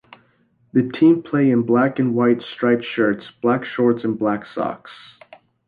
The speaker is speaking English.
The team play in black and white striped shirts, black shorts and black socks.